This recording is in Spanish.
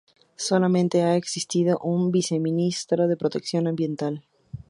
Solamente ha existido un viceministro de Protección Ambiental.